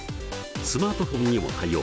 スマートフォンにも対応。